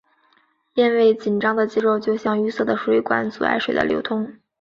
因为紧张的肌肉就像淤塞的水管阻碍水的流通。